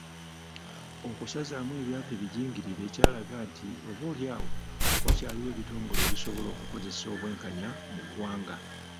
Okusazaamu ebyapa ebijingirire kyalaga nti oboolyawo wakyaliwo ebitongole ebisobola okukozesa obwenkanya mu ggwanga.